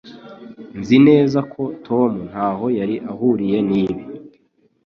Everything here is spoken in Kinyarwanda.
Nzi neza ko Tom ntaho yari ahuriye nibi.